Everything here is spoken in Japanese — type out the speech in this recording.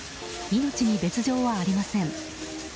命に別条はありません。